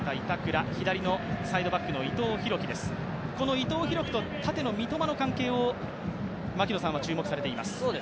伊藤洋輝と縦の三笘の関係を槙野さんは注目されています。